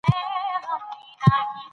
آيا موږ بايد د ټولني د سمون لپاره هڅه وکړو؟